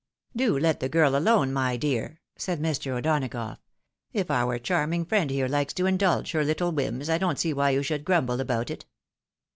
" Do let the girl alone, my dear," said Mr. O'Donagough. " If our charming friend here likes to indulge her httle whims, I don't see why you should grumble about it."